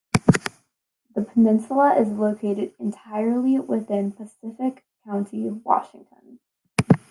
The peninsula is located entirely within Pacific County, Washington.